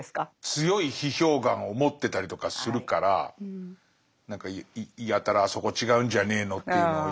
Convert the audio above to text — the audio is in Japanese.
強い批評眼を持ってたりとかするから何かやたら「あそこ違うんじゃねえの？」というのを言ったのかな？